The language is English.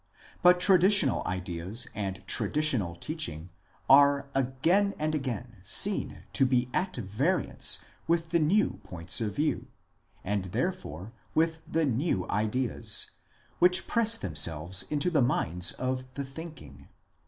But traditional ideas and traditional teaching are again and again seen to be at variance with the new points of view, and therefore with the new ideas, which press themselves into the minds of the thinking.